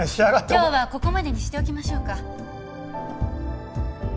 今日はここまでにしておきましょうか。